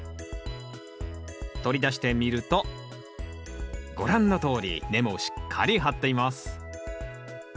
取り出してみるとご覧のとおり根もしっかり張っています